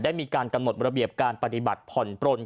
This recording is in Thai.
มีการกำหนดระเบียบการปฏิบัติผ่อนปลน